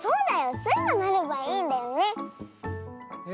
スイがなればいいんだよね！